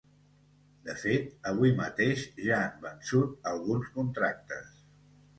De fet, avui mateix ja han vençut alguns contractes.